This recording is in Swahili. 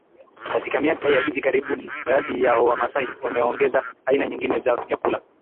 Katika miaka ya hivi karibuni baadhi ya wamasai wameongeza aina nyingine za vyakula